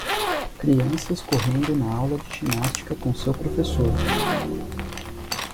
Crianças correndo na aula de ginástica com seu professor.